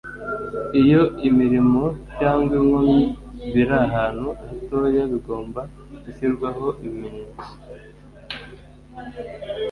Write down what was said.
Iyo imirimo cyangwa inkomyi biri ahantu hatoya bigomba gushyirwaho ibimenyetso